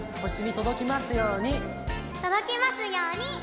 とどきますように。